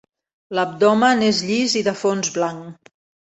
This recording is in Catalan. L'abdomen és llis i de fons blanc.